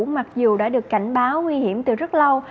mặc dù đã được cảnh báo nguy hiểm từ rất lâu